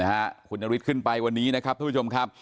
นะฮะคุณนาวิทย์ขึ้นไปวันนี้นะครับทุกผู้ชมครับ